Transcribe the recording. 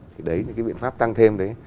thì đấy là cái biện pháp tăng thêm đấy